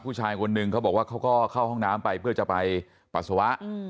ผู้ชายคนนึงเขาบอกว่าเขาก็เข้าห้องน้ำไปเพื่อจะไปปัสสาวะ